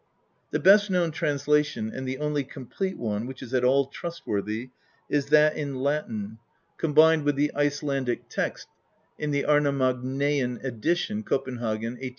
The best known translation, and the only complete one which is at all trustworthy, is that in Latin, combined, with XX INTRODUCTION the Icelandic text, in the Arnamagnaean edition, Copen hagen, 1848 87.